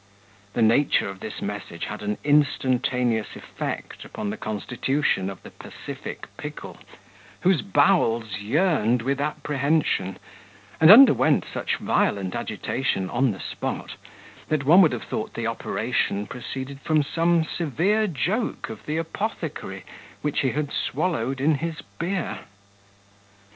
The nature of this message had an instantaneous effect upon the constitution of the pacific Pickle, whose bowels yearned with apprehension, and underwent such violent agitation on the spot, that one would have thought the operation proceeded from some severe joke of the apothecary which he had swallowed in his beer.